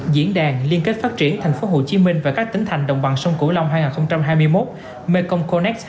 diễn đàn liên kết phát triển thành phố hồ chí minh và các tỉnh thành đồng bằng sông cửu long hai nghìn hai mươi một